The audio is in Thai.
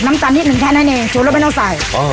น้ำตาลนิดนึงแทนให้นี่จุดแล้วไม่ต้องใส่อ๋อ